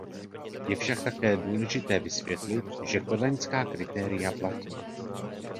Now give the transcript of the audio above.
Je však také důležité vysvětlit, že kodaňská kritéria platí.